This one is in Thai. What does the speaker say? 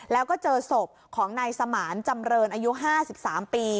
แล้วก็เจอศพของนายสมานจำเรินอายุ๕๓ปี